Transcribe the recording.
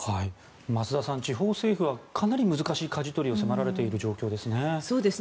増田さん、地方政府はかなり難しいかじ取りを迫られている状況ですね。